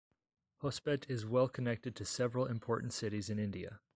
Hospet is well connected to several important cities in India.